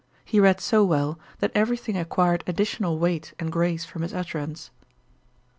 He read so well, that every thing acquired additional weight and grace from his utterance.